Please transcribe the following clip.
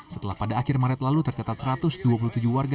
setelah pada akhir maret lalu tercatat satu ratus dua puluh tujuh warga